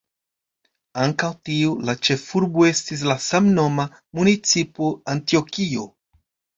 Antaŭ tio, la ĉefurbo estis la samnoma municipo Antjokio.